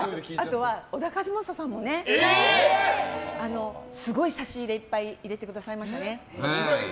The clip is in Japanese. あとは、小田和正さんもねすごい差し入れいっぱい入れてくださいましてね。